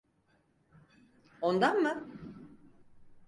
Ondan mı?